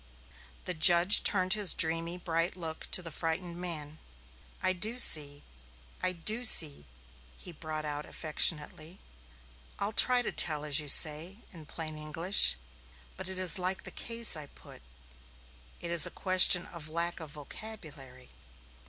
The judge turned his dreamy, bright look toward the frightened man. "I do see I do see," he brought out affectionately. "I'll try to tell, as you say, in plain English. But it is like the case I put it is a question of lack of vocabulary.